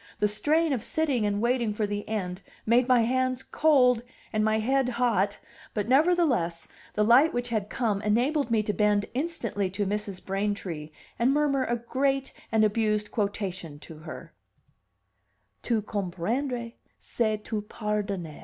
The strain of sitting and waiting for the end made my hands cold and my head hot, but nevertheless the light which had come enabled me to bend instantly to Mrs. Braintree and murmur a great and abused quotation to her: "Tout comprendre c'est tout pardonner."